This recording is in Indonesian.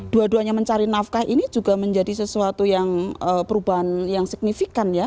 dua duanya mencari nafkah ini juga menjadi sesuatu yang perubahan yang signifikan ya